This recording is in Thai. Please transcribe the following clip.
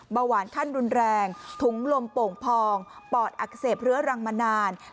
เบาหวานขั้นรุนแรงถุงลมโป่งพองปอดอักเสบเรื้อรังมานาน